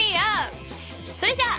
それじゃあ。